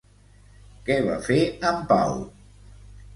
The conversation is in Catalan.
Què va fer en Pau?